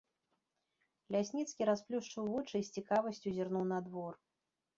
Лясніцкі расплюшчыў вочы і з цікавасцю зірнуў на двор.